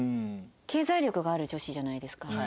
経済力がある女子じゃないですか。